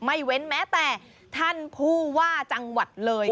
ไม่เว้นแม้แต่ท่านผู้ว่าจังหวัดเลย